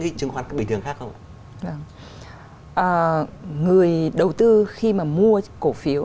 cái chứng khoán các bình thường khác không người đầu tư khi mà mua chứng quyền có bảo đảm thì có